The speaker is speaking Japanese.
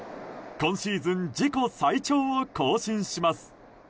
今シーズン自己最長を更新します。